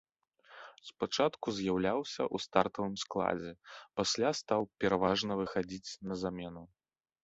Спачатку з'яўляўся ў стартавым складзе, пасля стаў пераважна выхадзіць на замену.